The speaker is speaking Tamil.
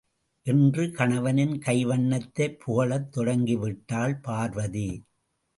என்று கணவனின் கைவண்ணத்தைப் புகழத் தொடங்கிவிட்டாள் பார்வதி.